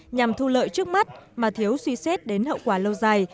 nhằm thu lợi trước mắt mà thiếu suy xét đến hậu quả lâu dài